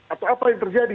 atau apa yang terjadi